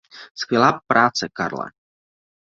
Skvělá práce, Carle!